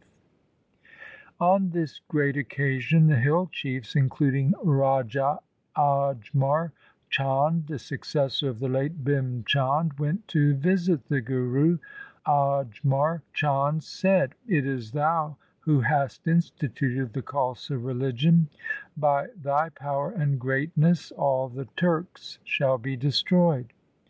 LIFE OF GURU GOBIND SINGH 99 On this great occasion the hill chiefs, including Raja Ajmer Chand, the successor of the late Bhim Chand, went to visit the Guru. Ajmer Chand said, ' It is thou who hast instituted the Khalsa religion. By thy power and greatness all the Turks shall be destroyed.'